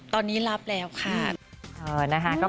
ตอนนี้รับแล้วค่ะ